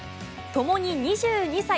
ともに２２歳。